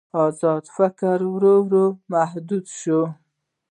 ازاد فکر ورو ورو محدود شو.